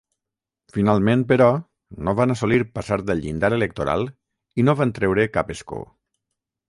Finalment, però, no van assolir passar del llindar electoral i no van treure cap escó.